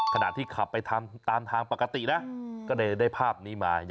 ขณะที่ขับไปตามทางปกตินะก็เลยได้ภาพนี้มา